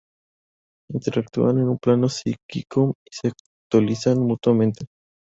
Interactúan en un plano psíquico y se actualizan mutuamente.